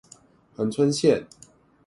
恆春線